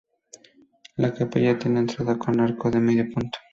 La capilla tiene entrada con arco de medio punto.